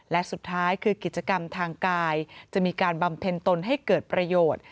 และสุดท้ายคือกิจกรรมทางกายจะมีการบำเพ็ญตนให้เกิดประโยชน์